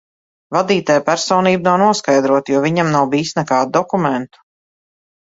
Vadītāja personība nav noskaidrota, jo viņam nav bijis nekādu dokumentu.